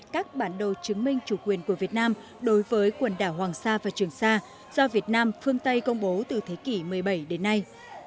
các bản đồ chứng minh chủ quyền của việt nam đối với quần đảo hoàng sa và trường sa do việt nam phương tây công bố từ thế kỷ một mươi bảy đến nay